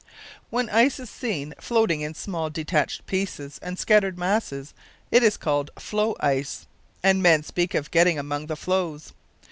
When ice is seen floating in small detached pieces and scattered masses, it is called "floe" ice, and men speak of getting among the floes.